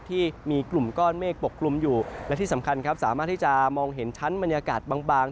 ที่มีกลุ่มก้อนเมฆปกกลุ่มอยู่และที่สำคัญครับสามารถที่จะมองเห็นชั้นบรรยากาศบาง